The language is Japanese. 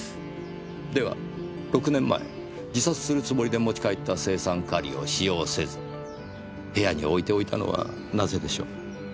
では６年前自殺するつもりで持ち帰った青酸カリを使用せず部屋に置いておいたのはなぜでしょう？